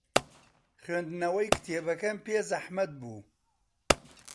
خوێندنەوەی کتێبەکەم پێ زەحمەت بوو.